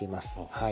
はい。